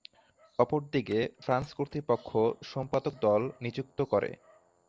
অপরদিকে, ফ্রান্স কর্তৃপক্ষ সম্পাদক দল নিযুক্ত করে।